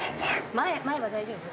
前歯大丈夫？